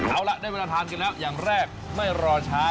เอาล่ะได้เวลาทานกันแล้วอย่างแรกไม่รอช้า